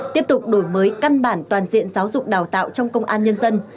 tiếp tục đổi mới căn bản toàn diện giáo dục đào tạo trong công an nhân dân